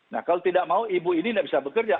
nah kalau tidak mau ibu ini tidak bisa bekerja